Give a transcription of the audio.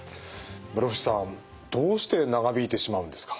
室伏さんどうして長引いてしまうんですか？